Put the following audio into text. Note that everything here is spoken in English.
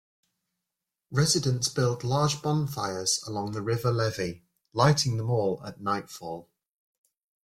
Residents build large bonfires along the River levee, lighting them all at nightfall.